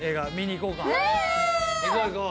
行こう行こう。